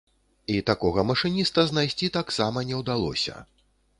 І такога машыніста знайсці таксама не ўдалося.